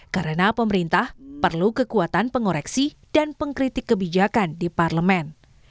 karena pemerintah perlu kekuatan pengoreksi dan pengkritik kebijakan di parlemen